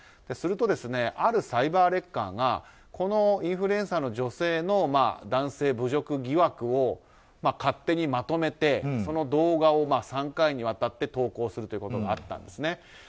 すると、あるサイバーレッカーがこのインフルエンサーの女性の男性侮辱疑惑を勝手にまとめてその動画を３回にわたって投稿するということがあったんです。